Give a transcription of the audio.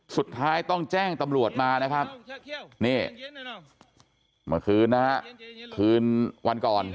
สุดท้ายต้องแจ้งตำรวจมานะครับนี่เมื่อคืนนะฮะคืนวันก่อน